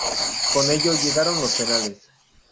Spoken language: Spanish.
Con ello, llegaron los penales.